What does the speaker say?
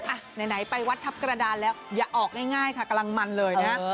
อ่ะไหนไปวัดทัพกระดานแล้วอย่าออกง่ายค่ะกำลังมันเลยนะ